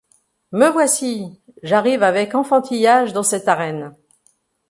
Me voici ; j'arrive avec enfantillage dans cette arène.